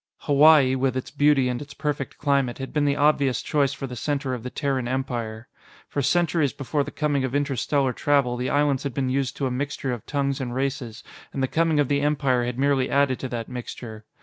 Hawaii, with its beauty and its perfect climate, had been the obvious choice for the center of the Terran Empire. For centuries before the coming of interstellar travel, the islands had been used to a mixture of tongues and races, and the coming of the Empire had merely added to that mixture.